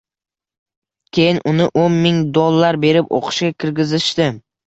Keyin uni o'n ming dollar berib o‘qishga kirgizishdi.